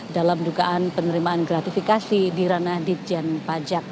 dalam dugaan penerimaan gratifikasi di ranah ditjen pajak